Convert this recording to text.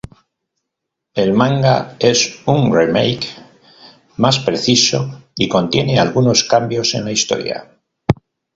El manga es un "remake" más preciso y contiene algunos cambios en la historia.